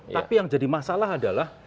tapi yang jadi masalah adalah